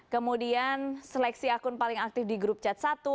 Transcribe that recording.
kemudian seleksi akun paling aktif di grup chat satu